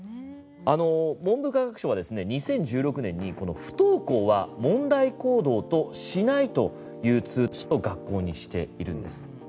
文部科学省は２０１６年に「不登校は問題行動としない」という通知を学校にしているんです。